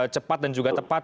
cepat dan juga tepat